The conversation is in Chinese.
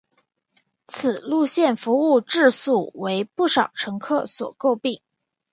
此路线服务质素为不少乘客所诟病。